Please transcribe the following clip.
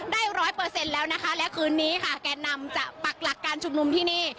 ร้อยเปอร์เซ็นต์แล้วนะคะและคืนนี้ค่ะแกนนำจะปักหลักการชุมนุมที่นี่